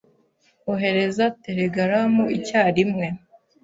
Ohereza telegaramu icyarimwe